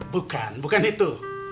bukan bukan itu